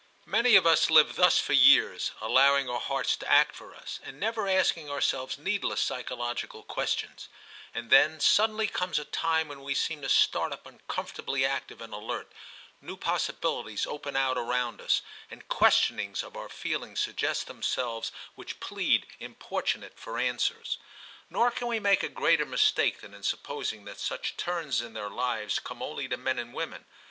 Many of us live thus for years, allowing our hearts to act for us, and never asking ourselves needless psychological questions; and then suddenly comes a time when we seem to start up uncomfortably active and alert, new pos sibilities open out around us, and question ings of our feelings suggest themselves which IQO TIM CHAP. plead, importunate, for answers. Nor can we make a greater mistake than in sup posing that such turns in their lives come only to men and women.